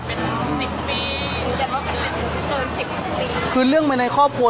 เป็นสิบปีรู้จักว่าเป็นอะไรคือสิบปีคือเรื่องเป็นในครอบครัว